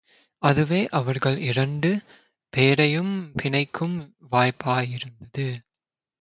அதுவே அவர்கள் இரண்டு பேரையும் பிணைக்கும் வாய்ப்பாயிருந்தது.